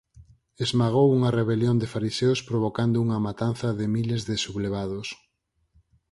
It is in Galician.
Esmagou unha rebelión de fariseos provocando unha matanza de miles de sublevados.